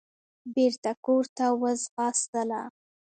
بېرته کورته وځغاستله.